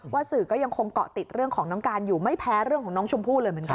สื่อก็ยังคงเกาะติดเรื่องของน้องการอยู่ไม่แพ้เรื่องของน้องชมพู่เลยเหมือนกัน